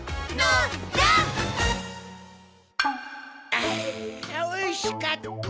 あおいしかった。